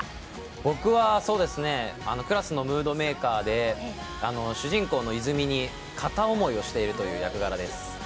僕はクラスのムードメーカーで主人公の泉に片思いをしている役柄です。